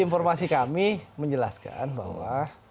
informasi kami menjelaskan bahwa